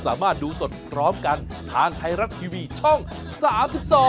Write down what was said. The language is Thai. สวัสดีค่ะ